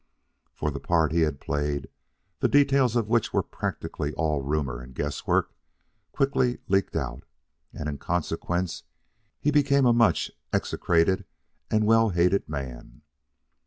For the part he had played, the details of which were practically all rumor and guesswork, quickly leaked out, and in consequence he became a much execrated and well hated man.